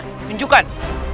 di mana tunjukkan